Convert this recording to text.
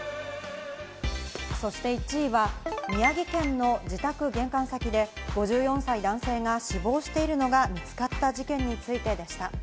そして１位は宮城県の自宅玄関先で５４歳男性が死亡しているのが見つかった事件についてでした。